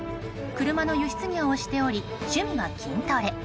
車の輸出業をしており趣味は筋トレ。